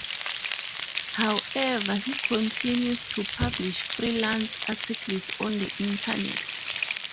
However, he continues to publish freelance articles on the Internet.